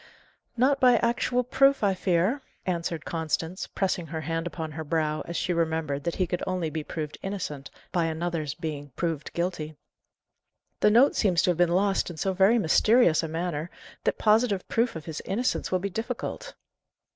"Not by actual proof, I fear," answered Constance, pressing her hand upon her brow as she remembered that he could only be proved innocent by another's being proved guilty. "The note seems to have been lost in so very mysterious a manner, that positive proof of his innocence will be difficult."